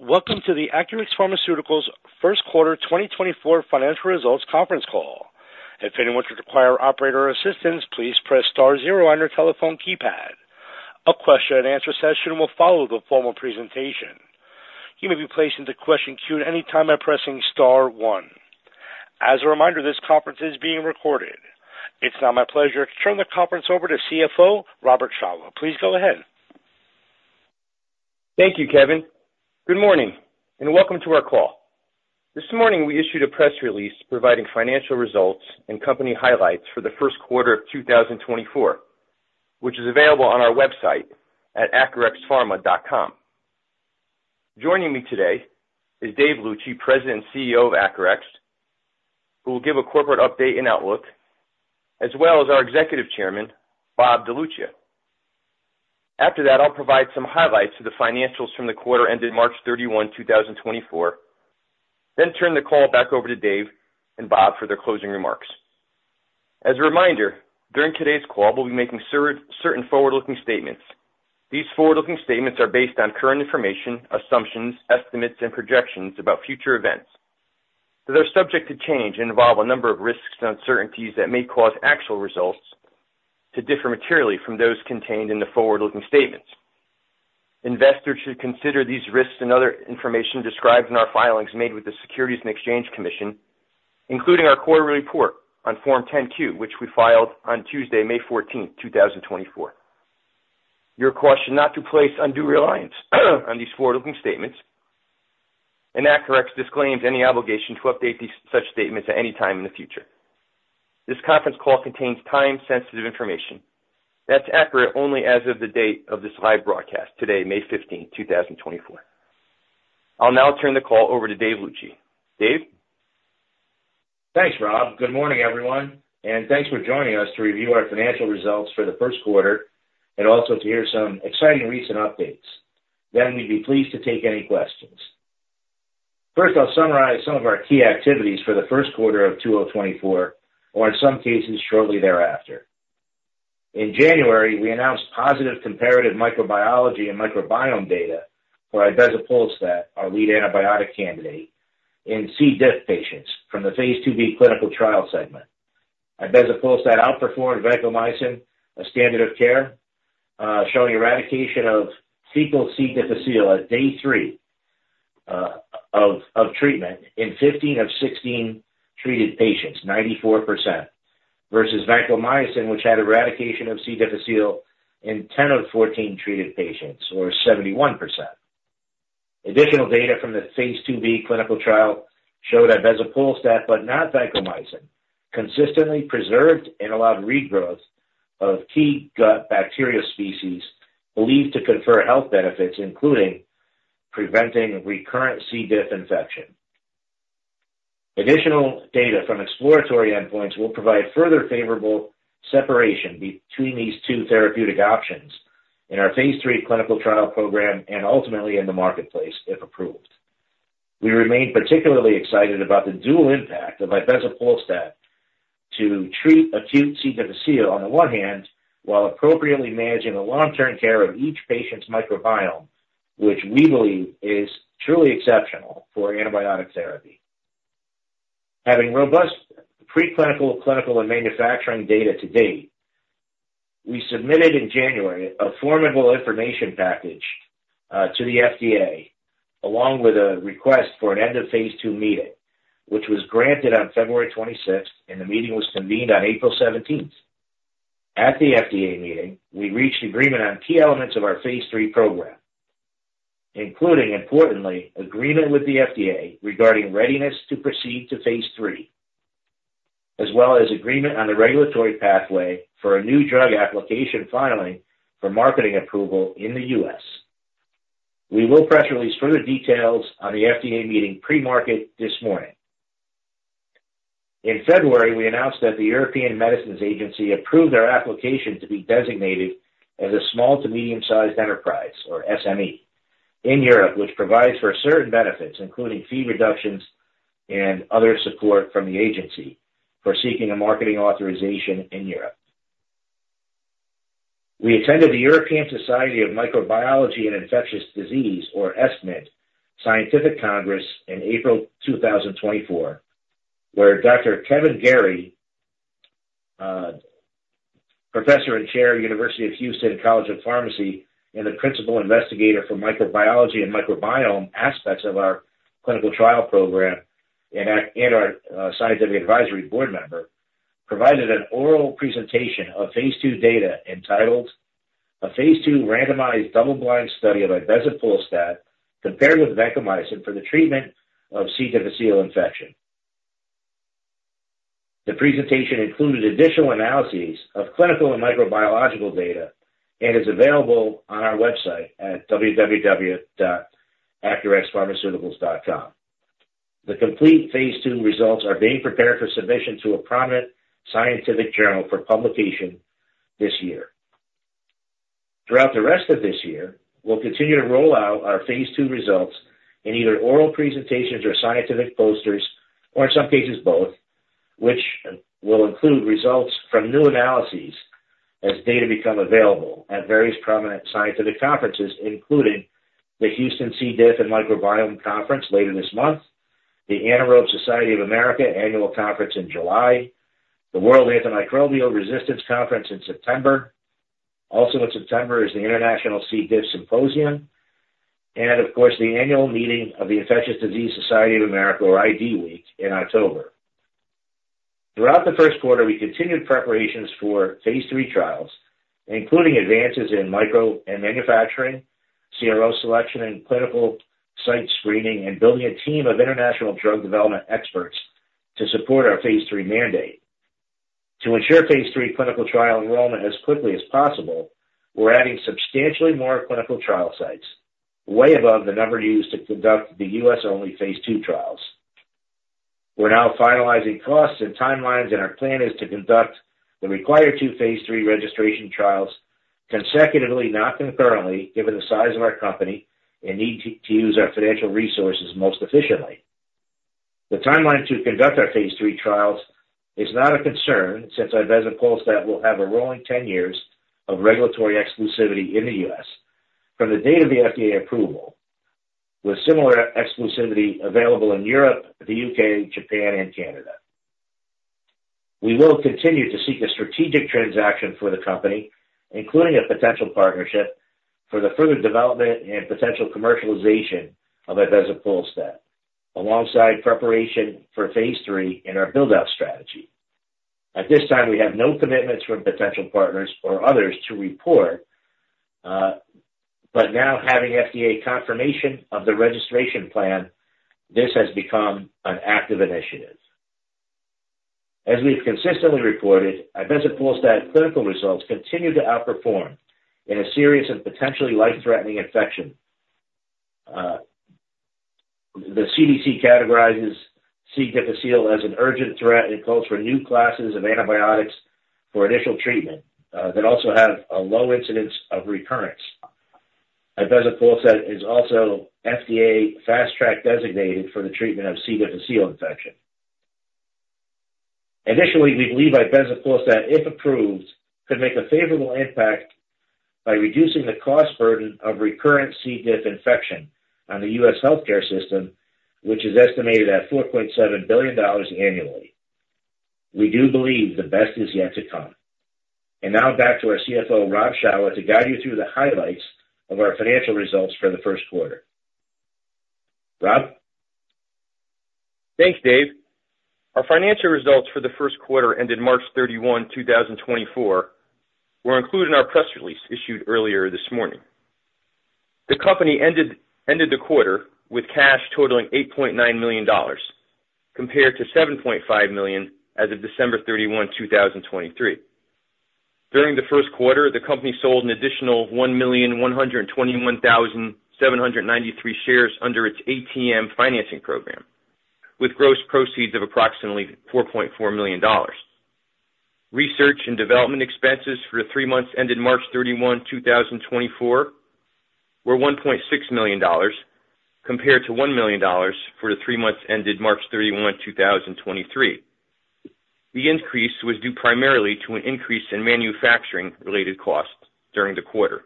Welcome to the Acurx Pharmaceuticals Q1 2024 financial results conference call. If anyone should require operator assistance, please press star zero on your telephone keypad. A question and answer session will follow the formal presentation. You may be placed into question queue at any time by pressing star one. As a reminder, this conference is being recorded. It's now my pleasure to turn the conference over to CFO Robert Shawah. Please go ahead. Thank you, Kevin. Good morning and welcome to our call. This morning we issued a press release providing financial results and company highlights for the Q1 of 2024, which is available on our website at acurxpharma.com. Joining me today is Dave Luci, President and CEO of Acurx, who will give a corporate update and outlook, as well as our Executive Chairman, Bob DeLuccia. After that, I'll provide some highlights of the financials from the quarter ended March 31, 2024, then turn the call back over to Dave and Bob for their closing remarks. As a reminder, during today's call we'll be making certain forward-looking statements. These forward-looking statements are based on current information, assumptions, estimates, and projections about future events. They're subject to change and involve a number of risks and uncertainties that may cause actual results to differ materially from those contained in the forward-looking statements. Investors should consider these risks and other information described in our filings made with the Securities and Exchange Commission, including our quarterly report on Form 10-Q, which we filed on Tuesday, May 14, 2024. You are cautioned not to place undue reliance on these forward-looking statements, and Acurx disclaims any obligation to update such statements at any time in the future. This conference call contains time-sensitive information. That's accurate only as of the date of this live broadcast today, May 15, 2024. I'll now turn the call over to Dave Luci. Dave? Thanks, Rob. Good morning, everyone, and thanks for joining us to review our financial results for the Q1 and also to hear some exciting recent updates. Then we'd be pleased to take any questions. First, I'll summarize some of our key activities for the Q1 of 2024, or in some cases shortly thereafter. In January, we announced positive comparative microbiology and microbiome data for ibezapolstat, our lead antibiotic candidate, in C. diff patients from the Phase 2b clinical trial segment. Ibezapolstat outperformed Vancomycin, a standard of care, showing eradication of fecal C. difficile at day three of treatment in 15 of 16 treated patients, 94%, versus Vancomycin, which had eradication of C. difficile in 10 of 14 treated patients, or 71%. Additional data from the Phase 2b clinical trial showed ibezapolstat, but not Vancomycin, consistently preserved and allowed regrowth of key gut bacterial species believed to confer health benefits, including preventing recurrent C. diff infection. Additional data from exploratory endpoints will provide further favorable separation between these two therapeutic options in our Phase 3 clinical trial program and ultimately in the marketplace, if approved. We remain particularly excited about the dual impact of ibezapolstat to treat acute C. difficile on the one hand, while appropriately managing the long-term care of each patient's microbiome, which we believe is truly exceptional for antibiotic therapy. Having robust preclinical, clinical, and manufacturing data to date, we submitted in January a formidable information package to the FDA, along with a request for an End-of-Phase 2 meeting, which was granted on February 26, and the meeting was convened on April 17. At the FDA meeting, we reached agreement on key elements of our Phase 3 program, including, importantly, agreement with the FDA regarding readiness to proceed to Phase 3, as well as agreement on the regulatory pathway for a new drug application filing for marketing approval in the US. We will press release further details on the FDA meeting pre-market this morning. In February, we announced that the European Medicines Agency approved our application to be designated as a small to medium-sized enterprise, or SME, in Europe, which provides for certain benefits, including fee reductions and other support from the agency for seeking a marketing authorization in Europe. We attended the European Society of Clinical Microbiology and Infectious Diseases, or ESCMID, Scientific Congress in April 2024, where Dr. Kevin Garey, Professor and Chair of the University of Houston College of Pharmacy and the Principal Investigator for Microbiology and Microbiome aspects of our clinical trial program and our scientific advisory board member, provided an oral presentation of Phase 2 data entitled "A Phase 2 Randomized Double-Blind Study of Ibezapolstat Compared with Vancomycin for the Treatment of C. difficile Infection." The presentation included additional analyses of clinical and microbiological data and is available on our website at www.acurxpharmaceuticals.com. The complete Phase 2 results are being prepared for submission to a prominent scientific journal for publication this year. Throughout the rest of this year, we'll continue to roll out our Phase 2 results in either oral presentations or scientific posters, or in some cases both, which will include results from new analyses as data become available at various prominent scientific conferences, including the Houston C. diff and Microbiome Conference later this month, the Anaerobe Society of the Americas annual conference in July, the World Antimicrobial Resistance Conference in September. Also in September is the International C. diff Symposium, and of course the annual meeting of the Infectious Diseases Society of America, or IDWeek, in October. Throughout the Q1, we continued preparations for Phase 3 trials, including advances in micro and manufacturing, CRO selection and clinical site screening, and building a team of international drug development experts to support our Phase 3 mandate. To ensure Phase 3 clinical trial enrollment as quickly as possible, we're adding substantially more clinical trial sites, way above the number used to conduct the U.S.-only phase 2 trials. We're now finalizing costs and timelines, and our plan is to conduct the required two Phase 3 registration trials consecutively, not concurrently, given the size of our company and need to use our financial resources most efficiently. The timeline to conduct our Phase 3 trials is not a concern since ibezapolstat will have a rolling 10 years of regulatory exclusivity in the U.S. from the date of the FDA approval, with similar exclusivity available in Europe, the U.K., Japan, and Canada. We will continue to seek a strategic transaction for the company, including a potential partnership for the further development and potential commercialization of ibezapolstat, alongside preparation for Phase 3 in our buildout strategy. At this time, we have no commitments from potential partners or others to report, but now having FDA confirmation of the registration plan, this has become an active initiative. As we've consistently reported, ibezapolstat clinical results continue to outperform in a serious and potentially life-threatening infection. The CDC categorizes C. difficile as an urgent threat and calls for new classes of antibiotics for initial treatment that also have a low incidence of recurrence. Ibezapolstat is also FDA Fast Track designated for the treatment of C. difficile infection. Additionally, we believe ibezapolstat, if approved, could make a favorable impact by reducing the cost burden of recurrent C. diff infection on the U.S. healthcare system, which is estimated at $4.7 billion annually. We do believe the best is yet to come. And now back to our CFO, Rob Shawah, to guide you through the highlights of our financial results for the Q1. Rob? Thanks, Dave. Our financial results for the Q1 ended March 31, 2024. We're including our press release issued earlier this morning. The company ended the quarter with cash totaling $8.9 million, compared to $7.5 million as of December 31, 2023. During the Q1, the company sold an additional 1,121,793 shares under its ATM financing program, with gross proceeds of approximately $4.4 million. Research and development expenses for the three months ended March 31, 2024, were $1.6 million, compared to $1 million for the three months ended March 31, 2023. The increase was due primarily to an increase in manufacturing-related costs during the quarter.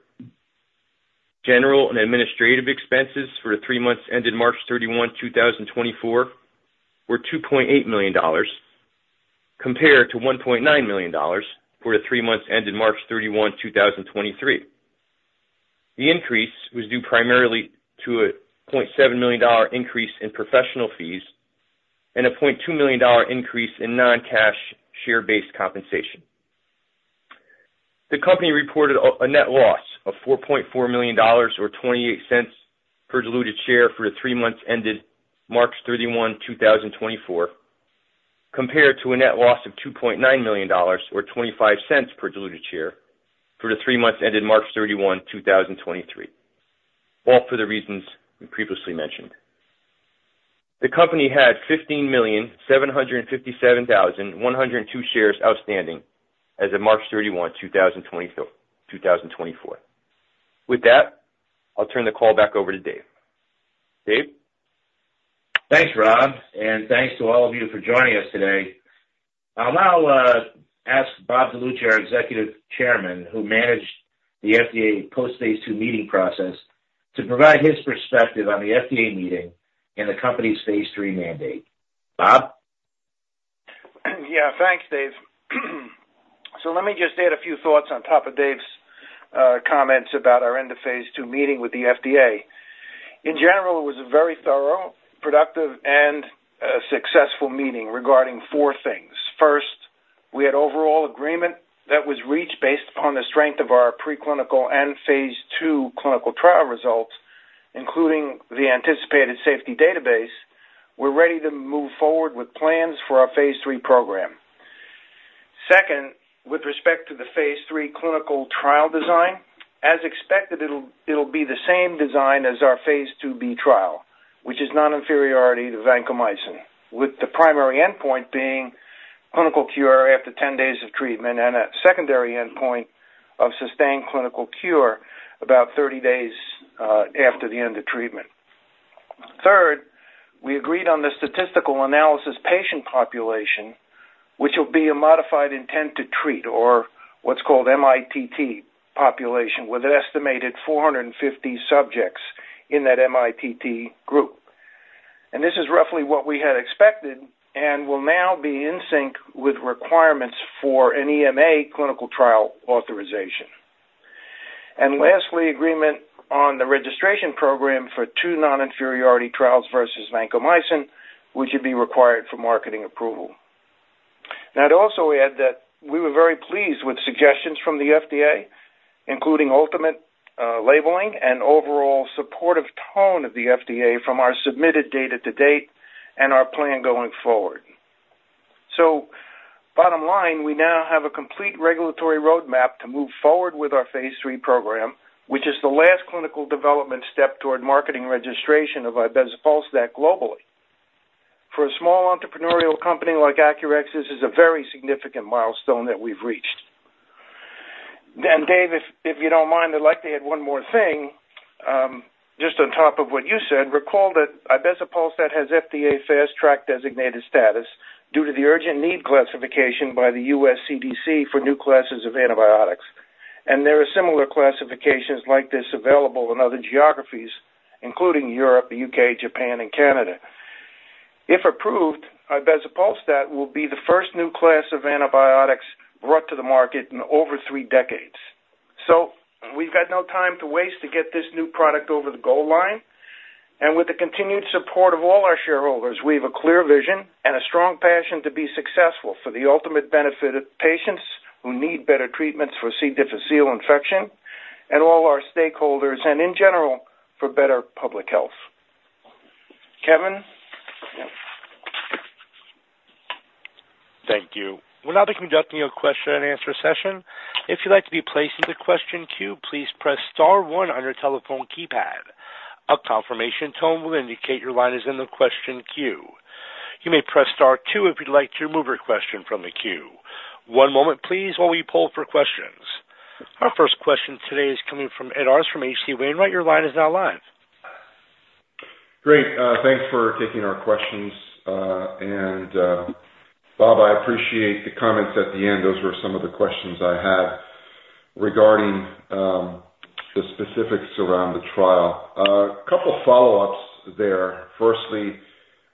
General and administrative expenses for the three months ended March 31, 2024, were $2.8 million, compared to $1.9 million for the three months ended March 31, 2023. The increase was due primarily to a $0.7 million increase in professional fees and a $0.2 million increase in non-cash share-based compensation. The company reported a net loss of $4.4 million, or $0.28, per diluted share for the three months ended March 31, 2024, compared to a net loss of $2.9 million, or $0.25, per diluted share for the three months ended March 31, 2023, all for the reasons we previously mentioned. The company had 15,757,102 shares outstanding as of March 31, 2024. With that, I'll turn the call back over to Dave. Dave? Thanks, Rob, and thanks to all of you for joining us today. I'll now ask Bob DeLuccia, our Executive Chairman, who managed the FDA post-Phase 2 meeting process, to provide his perspective on the FDA meeting and the company's Phase 3 mandate. Bob? Yeah, thanks, Dave. So let me just add a few thoughts on top of Dave's comments about our End-of-Phase 2 meeting with the FDA. In general, it was a very thorough, productive, and successful meeting regarding four things. First, we had overall agreement that was reached based upon the strength of our preclinical and phase 2 clinical trial results, including the anticipated safety database. We're ready to move forward with plans for our Phase 3 program. Second, with respect to the Phase 3 clinical trial design, as expected, it'll be the same design as our Phase 2b trial, which is non-inferiority to Vancomycin, with the primary endpoint being clinical cure after 10 days of treatment and a secondary endpoint of sustained clinical cure about 30 days after the end of treatment. Third, we agreed on the statistical analysis patient population, which will be a modified intent to treat, or what's called MITT population, with an estimated 450 subjects in that MITT group. This is roughly what we had expected and will now be in sync with requirements for an EMA clinical trial authorization. Lastly, agreement on the registration program for two non-inferiority trials versus Vancomycin, which would be required for marketing approval. Now, I'd also add that we were very pleased with suggestions from the FDA, including ultimate labeling and overall supportive tone of the FDA from our submitted data to date and our plan going forward. So bottom line, we now have a complete regulatory roadmap to move forward with our Phase 3 program, which is the last clinical development step toward marketing registration of ibezapolstat globally. For a small entrepreneurial company like Acurx, this is a very significant milestone that we've reached. And Dave, if you don't mind, I'd like to add one more thing just on top of what you said. Recall that ibezapolstat has FDA Fast Track designation due to the urgent need classification by the U.S. CDC for new classes of antibiotics, and there are similar classifications like this available in other geographies, including Europe, the U.K., Japan, and Canada. If approved, ibezapolstat will be the first new class of antibiotics brought to the market in over three decades. So we've got no time to waste to get this new product over the goal line, and with the continued support of all our shareholders, we have a clear vision and a strong passion to be successful for the ultimate benefit of patients who need better treatments for C. difficile infection and all our stakeholders, and in general, for better public health. Kevin? Thank you. We're now conducting a question-and-answer session. If you'd like to be placed in the question queue, please press star one on your telephone keypad. A confirmation tone will indicate your line is in the question queue. You may press star two if you'd like to remove your question from the queue. One moment, please, while we pull for questions. Our first question today is coming from Ed Arce from H.C. Wainwright. Your line is now live. Great. Thanks for taking our questions. And Bob, I appreciate the comments at the end. Those were some of the questions I had regarding the specifics around the trial. A couple of follow-ups there. Firstly,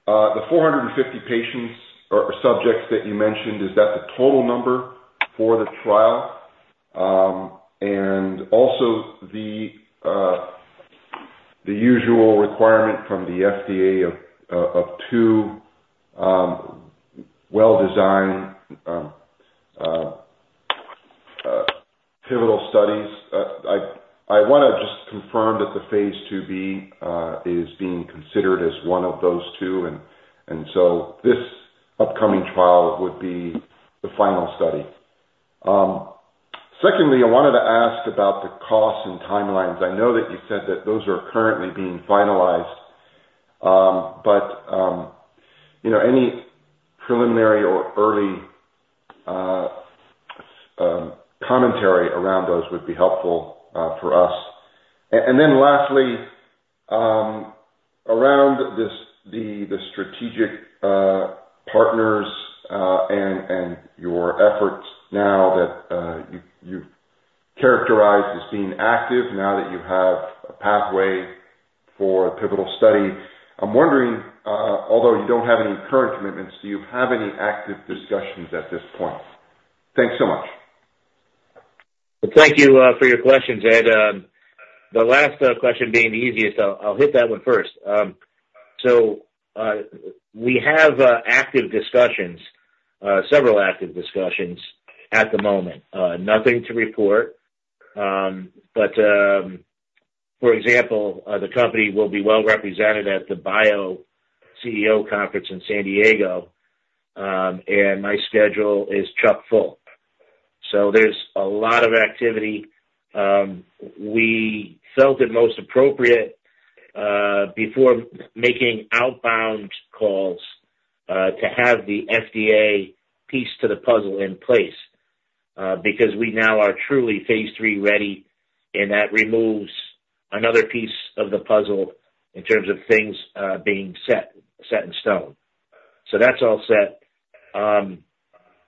the 450 patients or subjects that you mentioned, is that the total number for the trial? And also the usual requirement from the FDA of two well-designed pivotal studies. I want to just confirm that the Phase 2b is being considered as one of those two, and so this upcoming trial would be the final study. Secondly, I wanted to ask about the costs and timelines. I know that you said that those are currently being finalized, but any preliminary or early commentary around those would be helpful for us. Lastly, around the strategic partners and your efforts now that you've characterized as being active now that you have a pathway for a pivotal study, I'm wondering, although you don't have any current commitments, do you have any active discussions at this point? Thanks so much. Well, thank you for your questions, Ed. The last question being the easiest, I'll hit that one first. So we have active discussions, several active discussions at the moment. Nothing to report. But for example, the company will be well-represented at the BIO CEO Conference in San Diego, and my schedule is chock full. So there's a lot of activity. We felt it most appropriate before making outbound calls to have the FDA piece to the puzzle in place because we now are truly Phase 3 ready, and that removes another piece of the puzzle in terms of things being set in stone. So that's all set.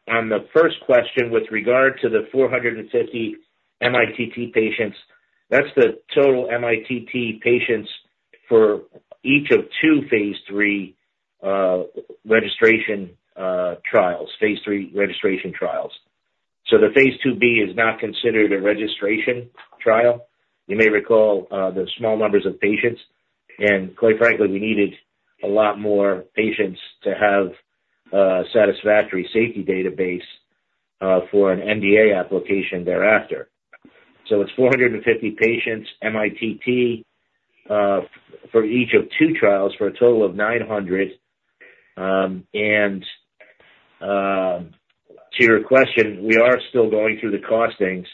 On the first question with regard to the 450 MITT patients, that's the total MITT patients for each of two Phase 3 registration trials, Phase 3 registration trials. So the Phase 2b is not considered a registration trial. You may recall the small numbers of patients, and quite frankly, we needed a lot more patients to have a satisfactory safety database for an NDA application thereafter. So it's 450 patients, MITT, for each of two trials for a total of 900. And to your question, we are still going through the costings,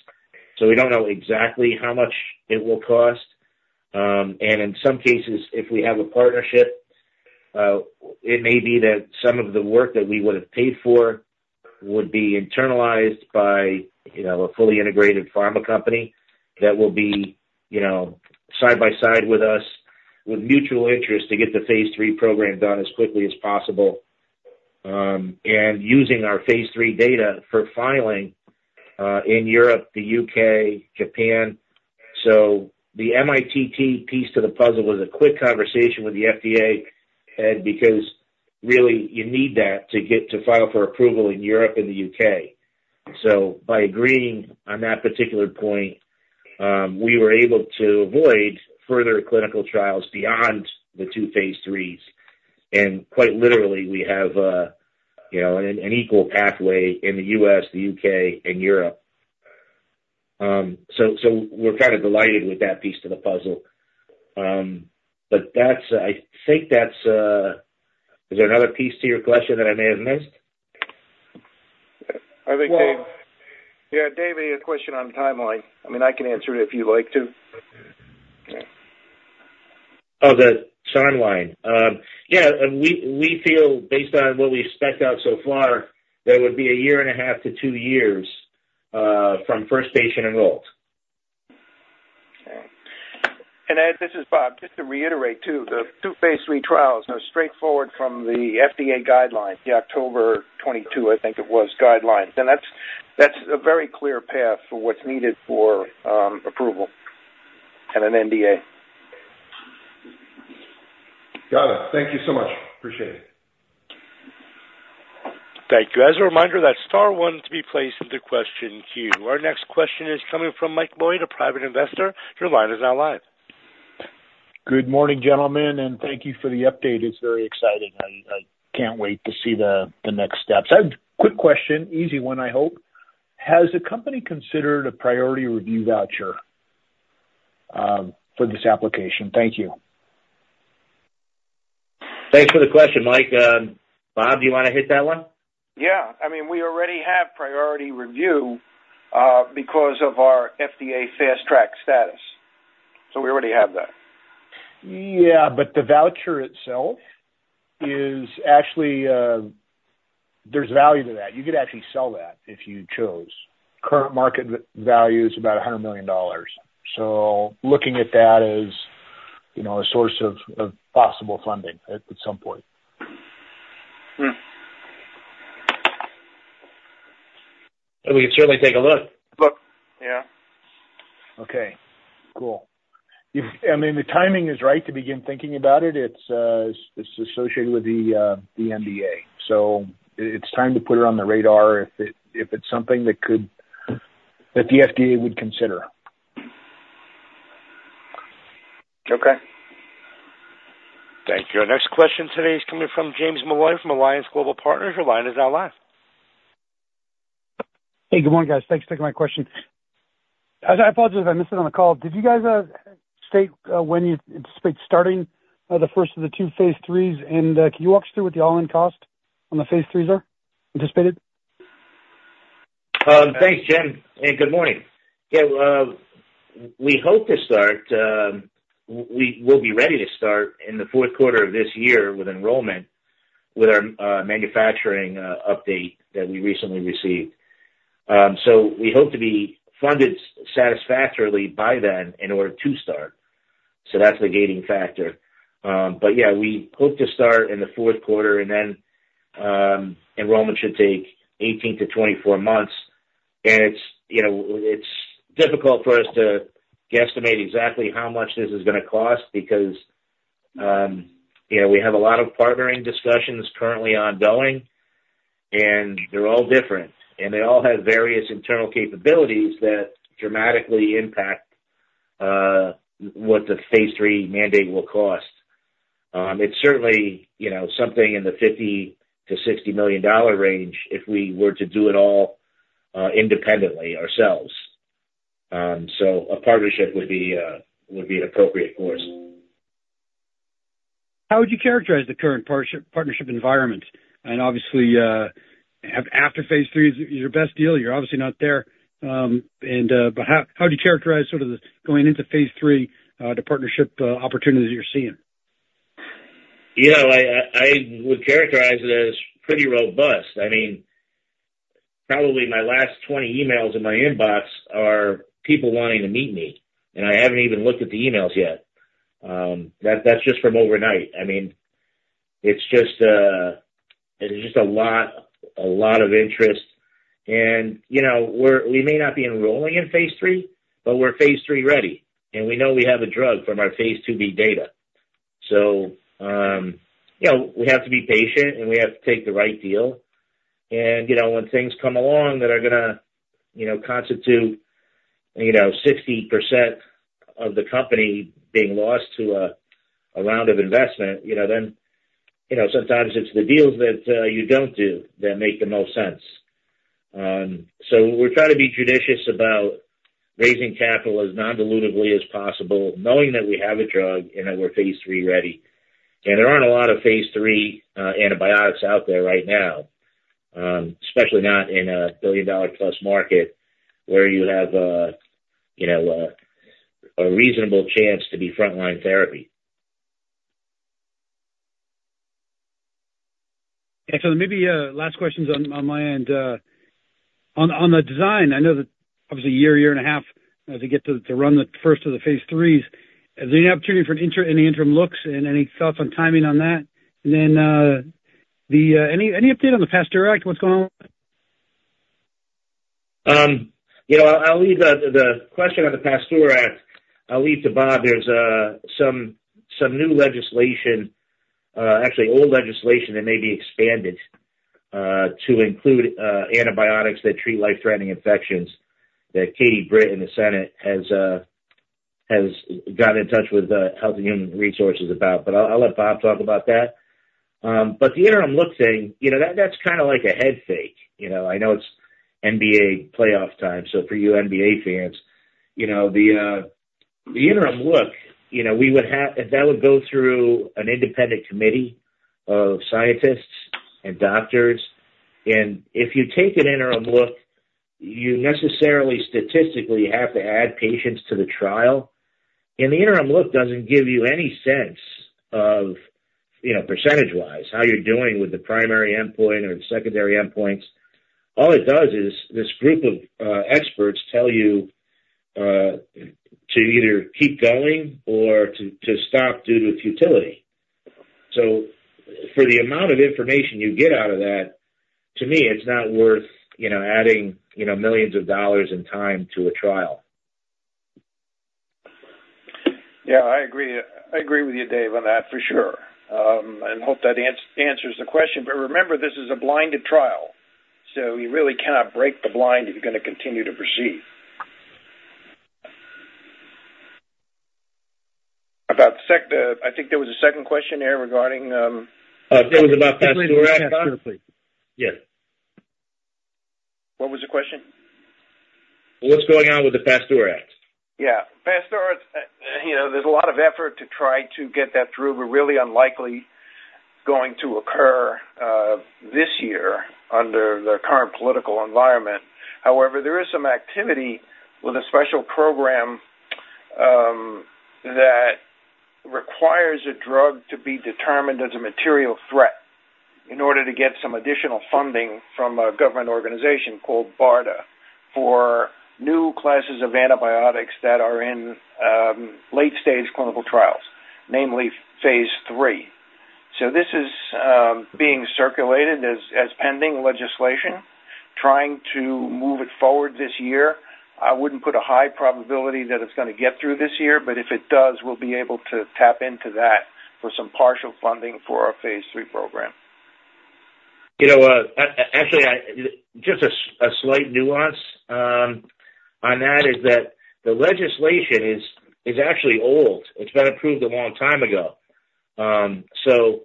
so we don't know exactly how much it will cost. And in some cases, if we have a partnership, it may be that some of the work that we would have paid for would be internalized by a fully integrated pharma company that will be side by side with us with mutual interest to get the Phase 3 program done as quickly as possible and using our Phase 3 data for filing in Europe, the U.K., Japan. So the MITT piece to the puzzle was a quick conversation with the FDA, Ed, because really, you need that to file for approval in Europe and the U.K. So by agreeing on that particular point, we were able to avoid further clinical trials beyond the 2 Phase 3s. And quite literally, we have an equal pathway in the U.S., the U.K., and Europe. So we're kind of delighted with that piece to the puzzle. But I think that's. Is there another piece to your question that I may have missed? I think, Dave, yeah, Dave, a question on timeline. I mean, I can answer it if you'd like to. Oh, the timeline. Yeah, we feel, based on what we've spec'd out so far, there would be 1.5-2 years from first patient enrolled. Okay. And Ed, this is Bob. Just to reiterate too, the two Phase 3 trials are straightforward from the FDA guidelines, the October 2022, I think it was, guidelines. That's a very clear path for what's needed for approval and an NDA. Got it. Thank you so much. Appreciate it. Thank you. As a reminder, that's star one to be placed in the question queue. Our next question is coming from Mike Lloyd, a private investor. Your line is now live. Good morning, gentlemen, and thank you for the update. It's very exciting. I can't wait to see the next steps. Ed, quick question, easy one, I hope. Has the company considered a Priority Review Voucher for this application? Thank you. Thanks for the question, Mike. Bob, do you want to hit that one? Yeah. I mean, we already have priority review because of our FDA Fast Track status. So we already have that. Yeah, but the voucher itself is actually, there's value to that. You could actually sell that if you chose. Current market value is about $100 million. So looking at that as a source of possible funding at some point. We could certainly take a look. Look, yeah. Okay. Cool. I mean, the timing is right to begin thinking about it. It's associated with the NDA, so it's time to put it on the radar if it's something that the FDA would consider. Okay. Thank you. Our next question today is coming from James Molloy from Alliance Global Partners. Your line is now live. Hey, good morning, guys. Thanks for taking my question. I apologize if I missed it on the call. Did you guys state when you anticipate starting the first of the 2 Phase 3s? And can you walk us through what the all-in cost on the Phase 3s are anticipated? Thanks, Jim, and good morning. Yeah, we hope to start. We'll be ready to start in the Q4 of this year with enrollment with our manufacturing update that we recently received. So we hope to be funded satisfactorily by then in order to start. So that's the gating factor. But yeah, we hope to start in the Q4, and then enrollment should take 18-24 months. And it's difficult for us to guesstimate exactly how much this is going to cost because we have a lot of partnering discussions currently ongoing, and they're all different. And they all have various internal capabilities that dramatically impact what the Phase 3 mandate will cost. It's certainly something in the $50-$60 million range if we were to do it all independently ourselves. So a partnership would be an appropriate course. How would you characterize the current partnership environment? Obviously, after Phase 3 is your best deal, you're obviously not there. How would you characterize sort of the going into Phase 3, the partnership opportunities that you're seeing? Yeah, I would characterize it as pretty robust. I mean, probably my last 20 emails in my inbox are people wanting to meet me, and I haven't even looked at the emails yet. That's just from overnight. I mean, it's just a lot of interest. And we may not be enrolling in Phase 3, but we're Phase 3 ready, and we know we have a drug from our Phase 2b data. So we have to be patient, and we have to take the right deal. And when things come along that are going to constitute 60% of the company being lost to a round of investment, then sometimes it's the deals that you don't do that make the most sense. So we're trying to be judicious about raising capital as non-dilutively as possible, knowing that we have a drug and that we're Phase 3 ready. There aren't a lot of Phase 3 antibiotics out there right now, especially not in a billion-dollar-plus market where you have a reasonable chance to be frontline therapy. Yeah, so maybe last questions on my end. On the design, I know that obviously, a year, a year and a half as they get to run the first of the Phase 3s. Is there any opportunity for any interim looks and any thoughts on timing on that? And then any update on the PASTEUR Act, what's going on with it? I'll leave the question on the PASTEUR Act. I'll leave it to Bob. There's some new legislation, actually old legislation that may be expanded to include antibiotics that treat life-threatening infections that Katie Britt in the Senate has gotten in touch with Health and Human Services about. But I'll let Bob talk about that. But the interim look thing, that's kind of like a head fake. I know it's NBA playoff time, so for you NBA fans, the interim look, we would have if that would go through an independent committee of scientists and doctors. And if you take an interim look, you necessarily, statistically, have to add patients to the trial. And the interim look doesn't give you any sense of percentage-wise how you're doing with the primary endpoint or the secondary endpoints. All it does is this group of experts tell you to either keep going or to stop due to futility. So for the amount of information you get out of that, to me, it's not worth adding $ millions in time to a trial. Yeah, I agree with you, Dave, on that for sure and hope that answers the question. But remember, this is a blinded trial, so you really cannot break the blind if you're going to continue to proceed. I think there was a second question there regarding. Oh, it was about PASTEUR Act, huh? Please, yeah, sure, please. Yes. What was the question? What's going on with the PASTEUR Act? Yeah, PASTEUR Act, there's a lot of effort to try to get that through. We're really unlikely going to occur this year under the current political environment. However, there is some activity with a special program that requires a drug to be determined as a material threat in order to get some additional funding from a government organization called BARDA for new classes of antibiotics that are in late-stage clinical trials, namely Phase 3. So this is being circulated as pending legislation, trying to move it forward this year. I wouldn't put a high probability that it's going to get through this year, but if it does, we'll be able to tap into that for some partial funding for our Phase 3 program. Actually, just a slight nuance on that is that the legislation is actually old. It's been approved a long time ago. So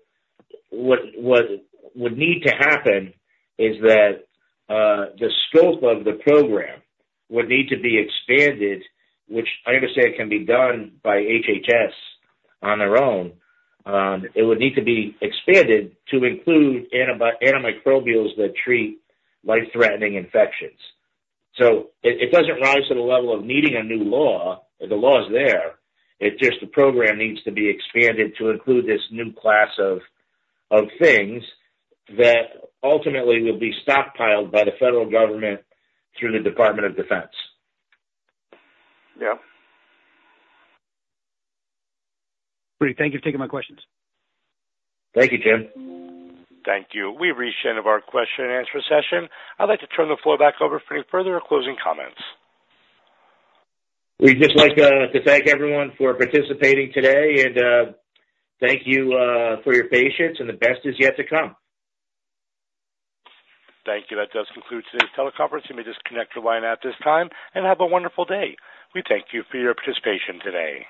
what would need to happen is that the scope of the program would need to be expanded, which I understand can be done by HHS on their own. It would need to be expanded to include antimicrobials that treat life-threatening infections. So it doesn't rise to the level of needing a new law. The law's there. It's just the program needs to be expanded to include this new class of things that ultimately will be stockpiled by the federal government through the Department of Defense. Yeah. Great. Thank you for taking my questions. Thank you, Jim. Thank you. We've reached the end of our question-and-answer session. I'd like to turn the floor back over for any further or closing comments. We'd just like to thank everyone for participating today, and thank you for your patience, and the best is yet to come. Thank you. That does conclude today's teleconference. You may just connect your line at this time and have a wonderful day. We thank you for your participation today.